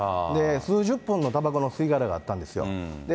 数十本のたばこの吸い殻があったんですよ。